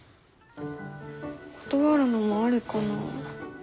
断るのもありかな。